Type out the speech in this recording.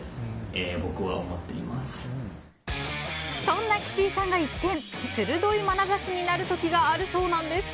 そんな岸井さんが一転、鋭いまなざしになる時があるそうなんです。